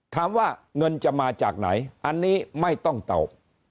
ถามว่าเงินจะมาจากไหนอันนี้ไม่ต้องเตา